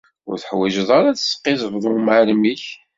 Ur teḥwaǧeḍ ara ad tesqizzbeḍ i umεellem-ik.